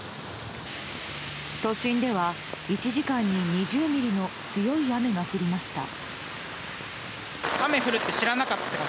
都心では１時間に２０ミリの強い雨が降りました。